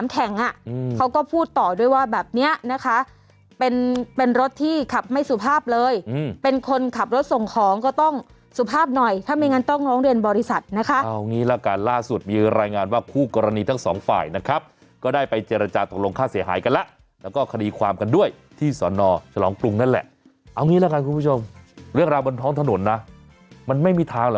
แข่งอ่ะเขาก็พูดต่อด้วยว่าแบบเนี้ยนะคะเป็นเป็นรถที่ขับไม่สุภาพเลยเป็นคนขับรถส่งของก็ต้องสุภาพหน่อยถ้าไม่งั้นต้องร้องเรียนบริษัทนะคะเอางี้ละกันล่าสุดมีรายงานว่าคู่กรณีทั้งสองฝ่ายนะครับก็ได้ไปเจรจาตกลงค่าเสียหายกันแล้วแล้วก็คดีความกันด้วยที่สอนอฉลองกรุงนั่นแหละเอางี้ละกันคุณผู้ชมเรื่องราวบนท้องถนนนะมันไม่มีทางห